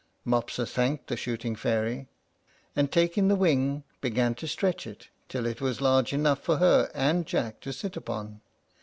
Mopsa thanked the shooting fairy, and, taking the wing, began to stretch it, till it was large enough for her and Jack to sit upon.